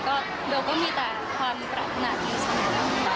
เบลล์ก็มีแต่ความปรารถนาดอยู่ในนั้น